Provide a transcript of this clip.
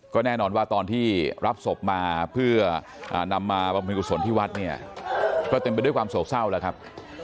ก็แน่นอนว่าตอนที่รับศพมาเพื่อนำมาบำเพ็ญกุศลที่วัดเนี่ยก็เต็มไปด้วยความโศกเศร้าแล้วครับ